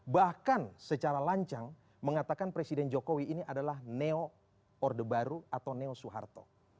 bahkan secara lancang mengatakan presiden jokowi ini adalah neo orde baru atau neo soeharto